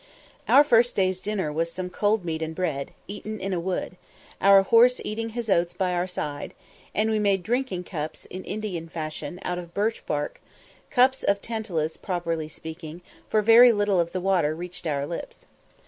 Our first day's dinner was some cold meat and bread, eaten in a wood, our horse eating his oats by our side; and we made drinking cups, in Indian fashion, of birch tree bark cups of Tantalus, properly speaking, for very little of the water reached our lips.